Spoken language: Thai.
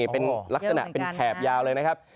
เป็นแขบยาวเลยนะครับ